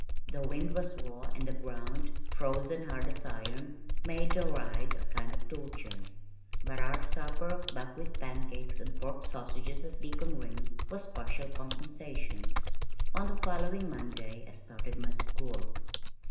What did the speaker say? The wind was raw, and the ground, frozen hard as iron, made the ride a kind of torture, but our supper of buckwheat pancakes and pork sausages at Deacon Ring's was partial compensation. On the following Monday I started my school.